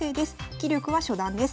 棋力は初段です。